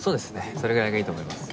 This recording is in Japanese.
それぐらいがいいと思いますね。